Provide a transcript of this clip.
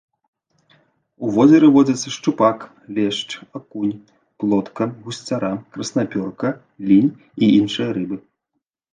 У возеры водзяцца шчупак, лешч, акунь, плотка, гусцяра, краснапёрка, лінь і іншыя рыбы.